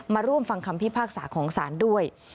มาร่วมฟังคำพิพากษาของศาลด้วย